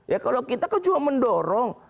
ya kalau kita kan cuma mendorong